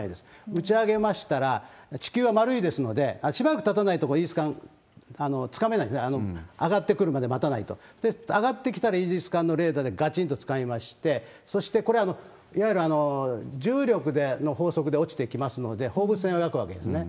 打ち上げましたら、地球は丸いですので、しばらくたたないとイージス艦つかめないんですね、上がってくるまで待たないと、上がってきたらイージス艦のレーダーでがちんとつかみまして、そしてこれ、いわゆる重力の法則で落ちていきますので、放物線を描くわけですね。